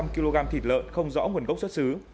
ba trăm linh kg thịt lợn không rõ nguồn gốc xuất xứ